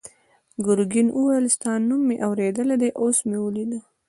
ګرګین وویل ستا نوم مې اورېدلی اوس مې ولیدې.